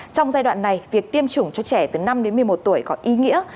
trong giai đoạn này việc tiêm chủng cho trẻ từ năm đến một mươi một tuổi có ý nghĩa